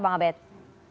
pemerintah bang abed